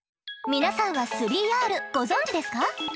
皆さんは「３Ｒ」ご存じですか？